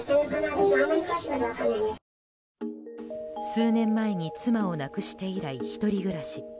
数年前に妻を亡くして以来１人暮らし。